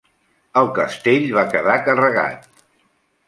El castell va quedar carregat.